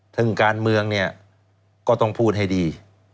ซึ่งการเมืองเนี่ยก็ต้องพูดให้ดี